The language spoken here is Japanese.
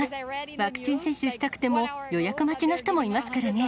ワクチン接種したくても、予約待ちの人もいますからね。